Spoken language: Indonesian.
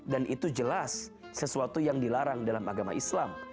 dan itu jelas sesuatu yang dilarang dalam agama islam